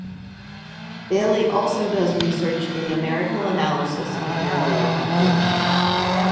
Bailey also does research in numerical analysis and parallel computing.